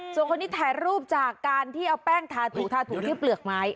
ส่วนคนที่ถ่ายรูปจากการที่เอาแป้งทาถูทาถูที่เปลือกไม้